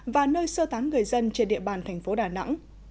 và nơi sơ tán người dân trên địa bàn thành phố đà nẵng